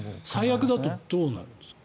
最悪だとどうなるんですか？